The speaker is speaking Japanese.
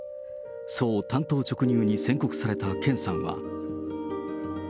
そう単刀直入に宣告された健さんは。